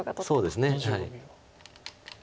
そうですね。